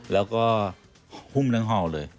แล้วก็หุ้มทั้งห่อเลย